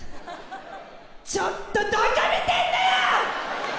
ちょっとどこ見てんのよ！